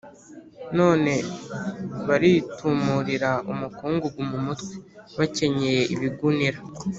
none baritumurira umukungugu mu mutwe, bakenyeye ibigunira.